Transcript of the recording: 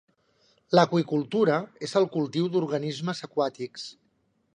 L'aqüicultura és el cultiu d'organismes aquàtics.